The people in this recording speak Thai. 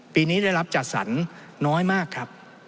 ปีนี้ได้รับจัดสรรน้อยมากครับ